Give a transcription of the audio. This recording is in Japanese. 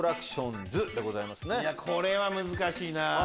これは難しいな。